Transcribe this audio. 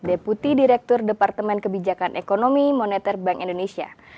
deputi direktur departemen kebijakan ekonomi moneter bank indonesia